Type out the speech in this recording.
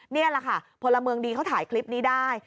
นี่แหละค่ะพลเมืองดีเขาถ่ายคลิปนี้ได้